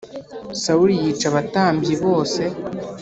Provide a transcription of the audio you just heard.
Sawuri yica abatambyi bose